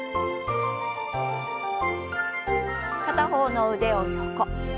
片方の腕を横。